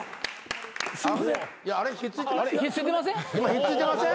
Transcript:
引っ付いてません？